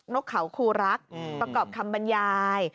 กเขาคูรักประกอบคำบรรยาย